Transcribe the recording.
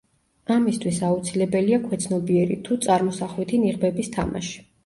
ამისთვის აუცილებელია ქვეცნობიერი თუ წარმოსახვითი ნიღბების თამაში.